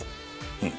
うん。